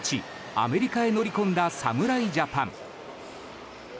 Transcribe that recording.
アメリカへ乗り込んだ侍ジャパン。